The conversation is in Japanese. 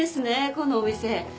このお店。